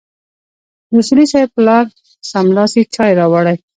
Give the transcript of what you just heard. د اصولي صیب پلار سملاسي چای راوړې.